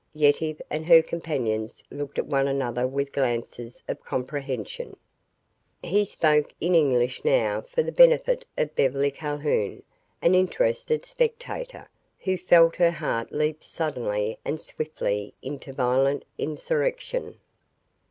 Yetive and her companions looked at one another with glances of Comprehension. He spoke in English now for the benefit of Beverly Calhoun, an interested spectator, who felt her heart leap suddenly and swiftly into violent insurrection.